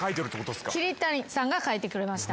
桐谷さんが書いてくれました。